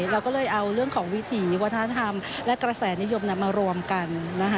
เราก็เลยเอาเรื่องของวิถีวัฒนธรรมและกระแสนิยมมารวมกันนะคะ